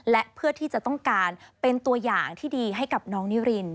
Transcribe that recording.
และเพื่อที่จะต้องการเป็นตัวอย่างที่ดีให้กับน้องนิริน